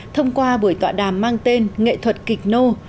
thông qua buổi tọa đàm mang tên nghệ thuật kịch nô